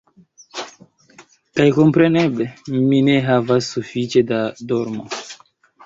Kaj kompreneble, mi ne havis sufiĉe da dormo.